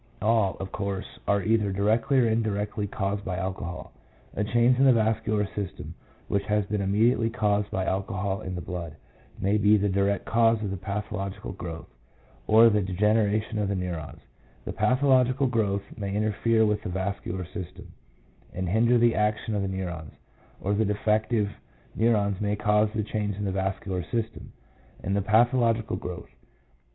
All, of course, are either directly or in directly caused by alcohol. A change in the vascular system, which has been immediately caused by alcohol in the blood, may be the direct cause of the pathological growth, or the degeneration of the neurons; the pathological growth may interfere with the vascular system, and hinder the action of the neurons; or the defective neurons may cause the change in the vascular system, and the pathological growth.